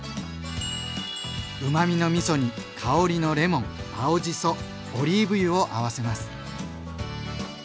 うまみのみそに香りのレモン青じそオリーブ油を合わせます。